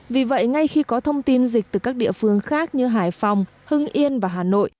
vì vậy ngay khi có thông tin dịch từ các địa phương khác như hải phòng hưng yên và hà nội